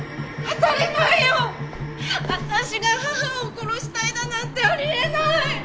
私が母を殺したいだなんてあり得ない！